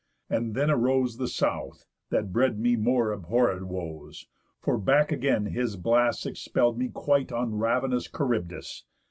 And then arose The South, that bred me more abhorréd woes; For back again his blasts expell'd me quite On ravenous Charybdis.